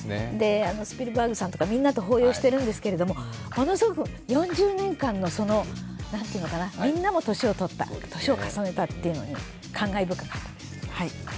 スピルバーグさんとか、みんなと抱擁しているんですけど、ものすごく４０年間の、みんなも年を重ねたっていうのは感慨深かった。